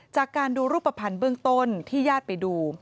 จากการดูรูปภัณฑ์เบื้องต้นที่ญาติไปดู